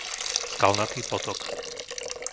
Skalnatý potok